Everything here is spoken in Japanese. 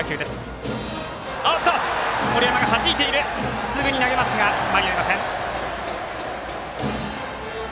森山がはじいてすぐに投げますが間に合いません。